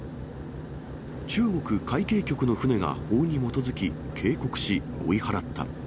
中国海警局の船が法に基づき、警告し、追い払った。